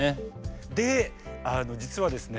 で実はですね